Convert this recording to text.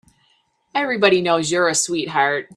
Everybody knows you're a sweetheart.